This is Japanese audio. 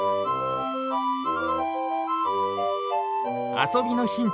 あそびのヒント